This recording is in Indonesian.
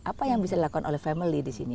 apa yang bisa dilakukan oleh family di sini